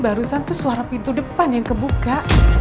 barusan tuh suara pintu depan yang kebuka